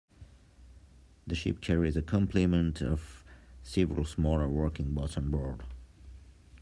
The ship carries a complement of several smaller working boats on board.